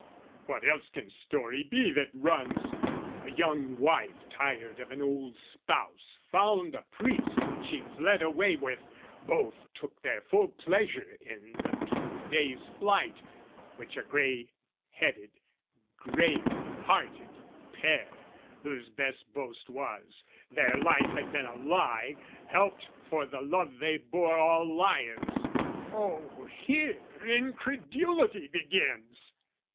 What else can story be That runs a young wife tired of an old spouse, Found a priest whom she fled away with, both Took their full pleasure in the two days' flight, Which a grey headed greyer hearted pair, (Whose best boast was, their life had been a lie) Helped for the love they bore all liars. Oh, Here incredulity begins!